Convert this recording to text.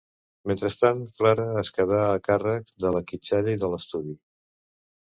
Mentrestant, Clara es quedà a càrrec de la quitxalla i de l'estudi.